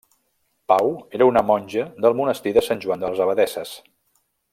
Pau era una monja del monestir de Sant Joan de les Abadesses.